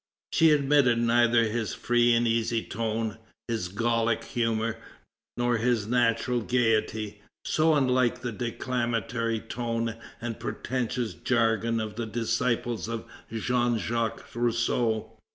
She admitted neither his free and easy tone, his Gallic humor, nor his natural gaiety, so unlike the declamatory tone and pretentious jargon of the disciples of Jean Jacques Rousseau.